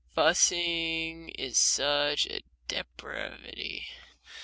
Fussing is such a depravity.